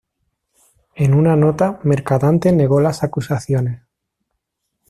En una nota, Mercadante negó las acusaciones.